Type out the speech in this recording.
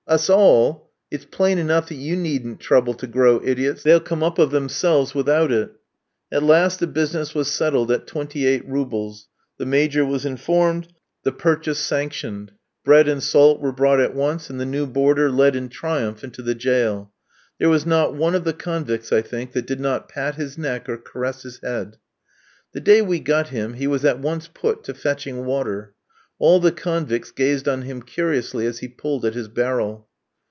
"Us all! It's plain enough that you needn't trouble to grow idiots, they'll come up of themselves without it." At last the business was settled at twenty eight roubles. The Major was informed, the purchase sanctioned. Bread and salt were brought at once, and the new boarder led in triumph into the jail. There was not one of the convicts, I think, that did not pat his neck or caress his head. The day we got him he was at once put to fetching water. All the convicts gazed on him curiously as he pulled at his barrel.